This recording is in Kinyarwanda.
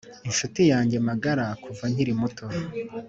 inshuti yanjye magara kuva nkiri muto.